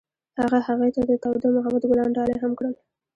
هغه هغې ته د تاوده محبت ګلان ډالۍ هم کړل.